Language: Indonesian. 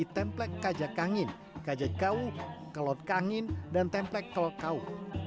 templek kajakangin kajakau kelotkangin dan templek kelotkau